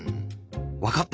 「わかった！」。